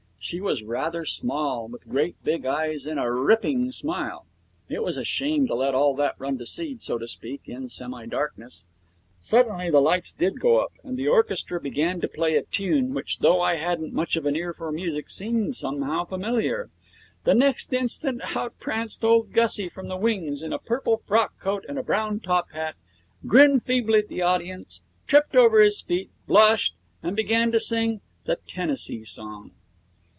She was rather small, with great big eyes and a ripping smile. It was a shame to let all that run to seed, so to speak, in semi darkness. Suddenly the lights did go up, and the orchestra began to play a tune which, though I haven't much of an ear for music, seemed somehow familiar. The next instant out pranced old Gussie from the wings in a purple frock coat and a brown top hat, grinned feebly at the audience, tripped over his feet, blushed, and began to sing the Tennessee song.